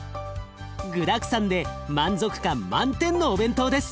具だくさんで満足感満点のお弁当です。